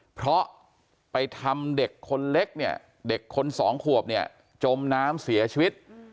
เพราะไปทำเด็กคนเล็กเด็กคน๒ขวบจมน้ำเสียชีวิต